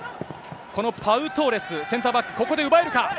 このパウ・トーレス、センターバック、ここで奪えるか。